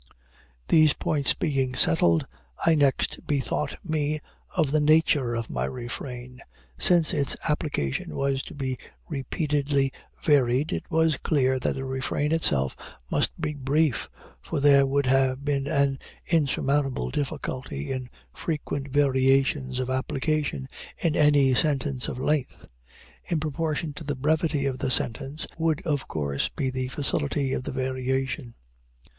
These points being settled, I next bethought me of the nature of my refrain. Since its application was to be repeatedly varied, it was clear that the refrain itself must be brief, for there would have been an insurmountable difficulty in frequent variations of application in any sentence of length. In proportion to the brevity of the sentence, would, of course, be the facility of the variation.